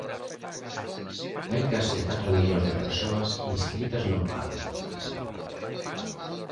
Hai case catro millóns de persoas inscritas no paro.